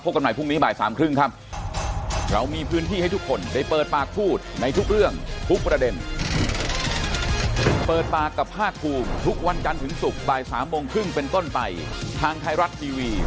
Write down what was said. กันใหม่พรุ่งนี้บ่ายสามครึ่งครับ